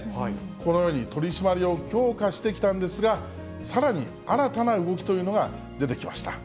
このように取締りを強化してきたんですが、さらに新たな動きというのが出てきました。